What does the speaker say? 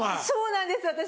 そうなんです